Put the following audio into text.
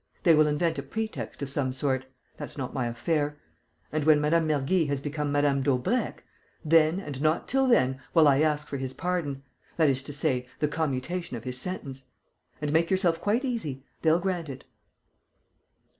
They will invent a pretext of some sort: that's not my affair. And, when Mme. Mergy has become Mme. Daubrecq, then and not till then will I ask for his pardon, that is to say, the commutation of his sentence. And make yourself quite easy: they'll grant it."